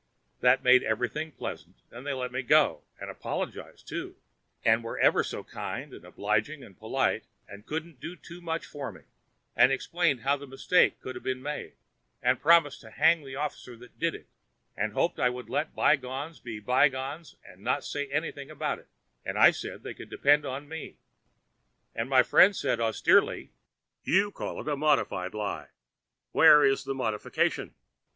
That made everything pleasant and they let me go; and apologised, too, and were ever so kind and obliging and polite, and couldn't do too much for me, and explained how the mistake came to be made, and promised to hang the officer that did it, and hoped I would let bygones be bygones and not say anything about it; and I said they could depend on me. My friend said, austerely: 'You call it a modified lie? Where is the modification?'